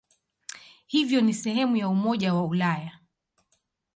Hivyo ni sehemu ya Umoja wa Ulaya.